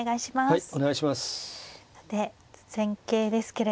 はい。